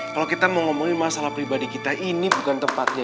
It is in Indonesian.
kalau kita mau ngomongin masalah pribadi kita ini bukan tempatnya